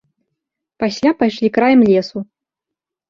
Пасля пайшлі краем лесу.